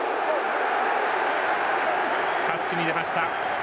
タッチに出ました。